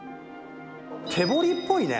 手掘りっぽいね。